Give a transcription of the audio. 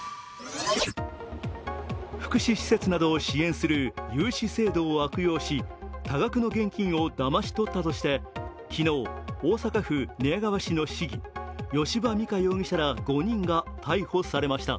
福祉施設などを支援する融資制度を悪用し、多額の現金をだまし取ったとして昨日、大阪府寝屋川市の市議、吉羽美華容疑者ら５人が逮捕されました。